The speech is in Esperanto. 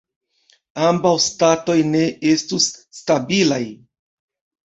Ambaŭ statoj ne estus stabilaj.